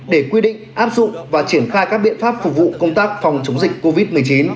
để quy định áp dụng và triển khai các biện pháp phục vụ công tác phòng chống dịch covid một mươi chín